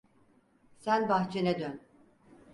Sen bahçene dön!